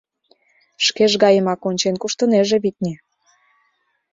Шкеж гайымак ончен куштынеже, витне.